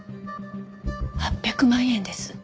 ８００万円です。